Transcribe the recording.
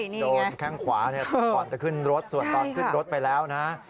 โดนแข้งขวาก่อนจะขึ้นรถส่วนตอนขึ้นรถไปแล้วนะ